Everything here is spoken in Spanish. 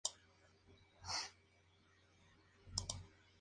Estudió además teología en el Convento de San Antonio del Prado de Madrid.